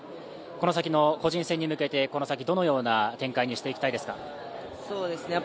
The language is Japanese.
この先の個人戦に向けて、どのような展開にしていきたいですか？